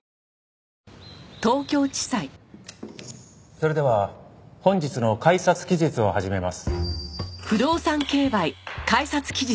それでは本日の開札期日を始めます。